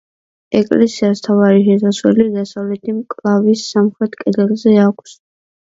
ეკლესიას მთავარი შესასვლელი დასავლეთი მკლავის სამხრეთ კედელზე აქვს.